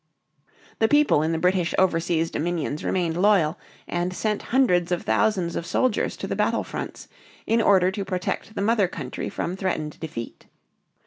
The people in the British overseas dominions remained loyal, and sent hundreds of thousands of soldiers to the battle fronts in order to protect the mother country from threatened defeat.